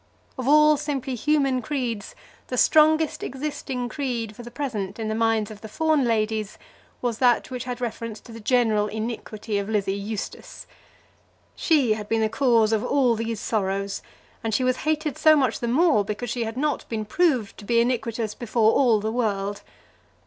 Of all simply human creeds the strongest existing creed for the present in the minds of the Fawn ladies was that which had reference to the general iniquity of Lizzie Eustace. She had been the cause of all these sorrows, and she was hated so much the more because she had not been proved to be iniquitous before all the world.